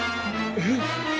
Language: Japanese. えっ。